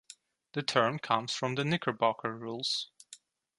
The term comes from the Knickerbocker Rules.